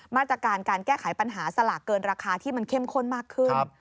มาตรการการแก้ไขปัญหาสลากเกินราคาที่มันเข้มข้นมากขึ้น